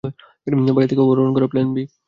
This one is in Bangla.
বাড়ি থেকে অপহরণ করা প্ল্যান বি।